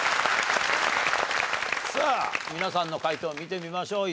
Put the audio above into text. さあ皆さんの解答を見てみましょう。